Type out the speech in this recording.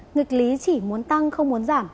ngực lý chỉ muốn tăng không muốn giảm